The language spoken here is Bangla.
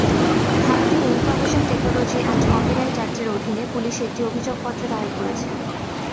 ভারতের ইনফরমেশন টেকনোলজি অ্যান্ড কপিরাইট অ্যাক্টের অধীনে পুলিশ একটি অভিযোগপত্র দায়ের করেছে।